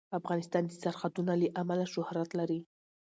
افغانستان د سرحدونه له امله شهرت لري.